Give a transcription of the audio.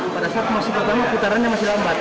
pada saat masih pertama putarannya masih lambat